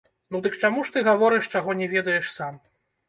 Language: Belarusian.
Ну, дык чаму ж ты гаворыш, чаго не ведаеш сам?